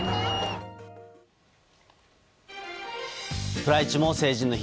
プライチも成人の日。